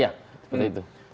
iya seperti itu